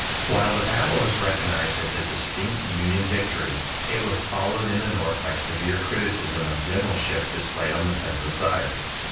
While the battle was recognized as a distinct Union victory, it was followed in the North by severe criticism of the generalship displayed on the Federal side.